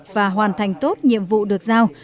và hoàn thành tốt nhiệm vụ được giao